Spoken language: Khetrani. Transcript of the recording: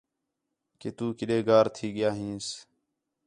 کہ تُو کݙے گار تھی ڳِیا ہینس